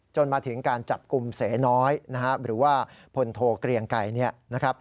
จนมาถึงการจับกุมเสน้อยหรือว่าพลโทเกลียงไกล